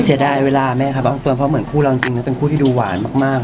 เสียดายเวลาแม่ครับเฟิร์นเพราะเหมือนคู่เราจริงนะเป็นคู่ที่ดูหวานมาก